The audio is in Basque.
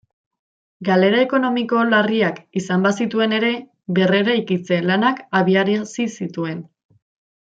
Galera ekonomiko larriak izan bazituen ere, berreraikitze lanak abiarazi zituen.